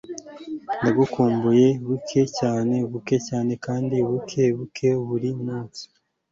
ndagukumbuye buke cyane, buke cyane, kandi buke buke buri munsi